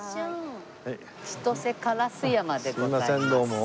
千歳烏山でございます。